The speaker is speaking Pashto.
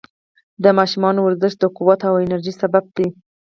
د ماشومانو ورزش د قوت او انرژۍ سبب دی.